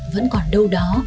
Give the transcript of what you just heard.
vẫn còn đâu đó